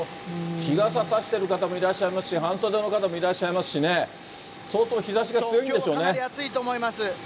日傘差してる方もいらっしゃいますし、半袖の方もいらっしゃいますしね、相当、かなり暑いと思います。